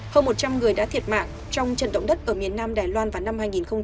hơn một trăm linh người đã thiệt mạng trong trận động đất ở miền nam đài loan vào năm hai nghìn một mươi